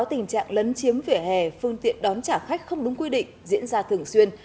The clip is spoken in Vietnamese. tình trạng lấn chiếm vỉa hè phương tiện đón trả khách không đúng quy định diễn ra thường xuyên